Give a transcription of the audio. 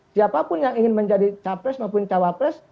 siapapun yang ingin menjadi capres maupun cawapres